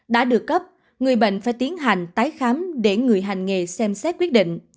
đã được cấp người bệnh phải tiến hành tái khám để người hành nghề xem xét quyết định